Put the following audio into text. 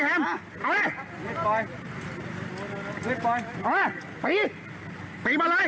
ตายเลยตายเลย